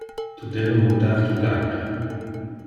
Tu debe mundar tu camera.